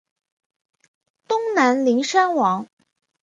东南邻山王。